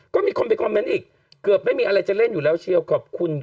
ก็มีคนไปคอมเมนต์อีกเกือบไม่มีอะไรจะเล่นอยู่แล้วเชียวขอบคุณ